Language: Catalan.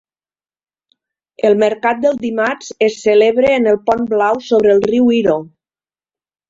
El mercat dels dimarts es celebra en el pont blau sobre el riu Iro.